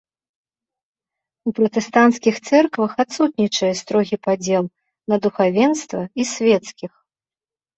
У пратэстанцкіх цэрквах адсутнічае строгі падзел на духавенства і свецкіх.